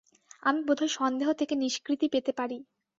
আমি বোধ হয় সন্দেহ থেকে নিষ্কৃতি পেতে পারি।